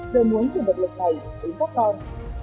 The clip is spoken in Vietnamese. giờ muốn chuyển vật lực này đến các con